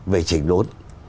về trình đốn